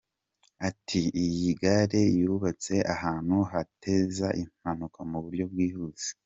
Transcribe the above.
Ati"Iyi gare yubatse ahantu hateza impanuka mu buryo bwihuse.